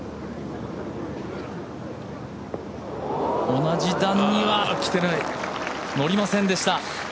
同じ段には乗りませんでした。